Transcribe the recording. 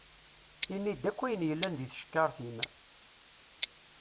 Ini-d akk ayen yellan deg tcekkaṛt-im.